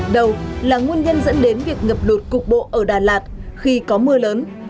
đầu là nguồn nhân dẫn đến việc ngập lụt cục bộ ở đà lạt khi có mưa lớn